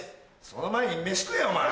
その前に飯食えお前。